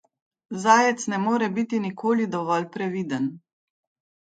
Zajec ne more biti nikoli dovolj previden.